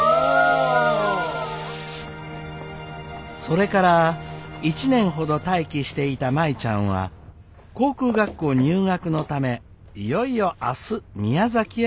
それから１年ほど待機していた舞ちゃんは航空学校入学のためいよいよ明日宮崎へ出発します。